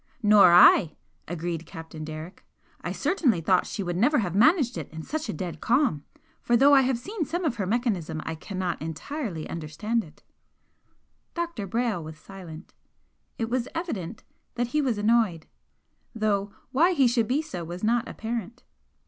"Nor I!" agreed Captain Derrick "I certainly thought she would never have managed it in such a dead calm. For though I have seen some of her mechanism I cannot entirely understand it." Dr. Brayle was silent. It was evident that he was annoyed though why he should be so was not apparent.